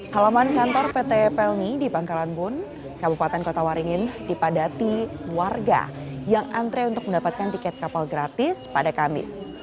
halaman kantor pt pelni di pangkalan bun kabupaten kota waringin dipadati warga yang antre untuk mendapatkan tiket kapal gratis pada kamis